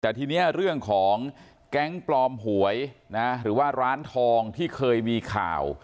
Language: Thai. แต่ทีนี้เรื่องของแก๊งปลอมหวยนะหรือว่าร้านทองที่เคยมีข่าว